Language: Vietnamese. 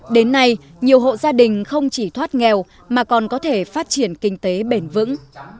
đến nay nhiều hộ gia đình không chỉ thoát nghèo mà còn có thể phát triển kinh tế bền vững